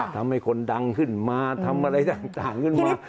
ทำให้คนดังขึ้นมาทำอะไรต่างขึ้นมา